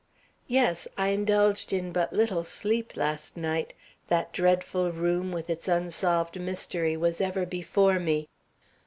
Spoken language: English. "Yes; I indulged in but little sleep last night. That dreadful room with its unsolved mystery was ever before me.